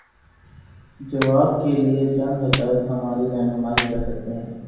جواب کے لیے چند حقائق ہماری رہنمائی کر سکتے ہیں۔